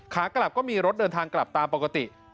ขากลับก็มีรถเดินทางกลับตามปกติ